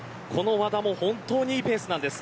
和田も本当にいいペースです。